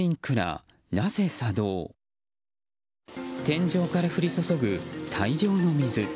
天井から降り注ぐ大量の水。